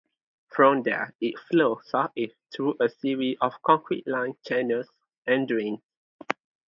From there it flows southeast through a series of concrete lined channels and drains.